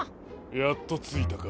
やっとついたか。